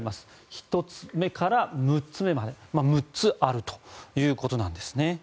１つ目から６つ目までまあ、６つあるということです。